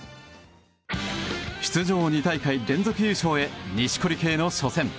出場２大会連続優勝へ錦織圭の初戦。